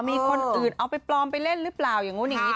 มีคนอื่นเอาไปปลอมไปเล่นหรือเปล่าอย่างนู้นอย่างนี้